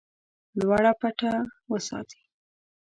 لوړه پټه وساتي.